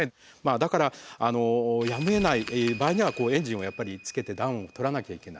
だからやむをえない場合にはエンジンをやっぱりつけて暖をとらなきゃいけない。